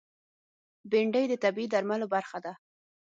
بېنډۍ د طبعي درملو برخه ده